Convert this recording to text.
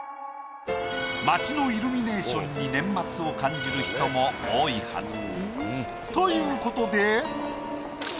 街のイルミネーションに年末を感じる人も多いはず。ということで。